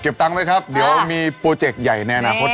ตังค์ไว้ครับเดี๋ยวมีโปรเจกต์ใหญ่ในอนาคต